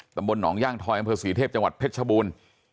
ตำบลหนองย่างทอยอำเภอศรีเทพจังหวัดเพชรชบูรณ์